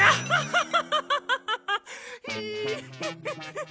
ハハハハッ。